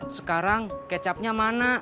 sekarang kecapnya mana